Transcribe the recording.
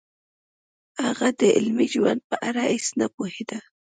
هغه د عملي ژوند په اړه هیڅ نه پوهېده